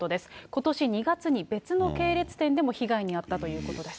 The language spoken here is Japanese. ことし２月に別の系列店でも被害に遭ったということです。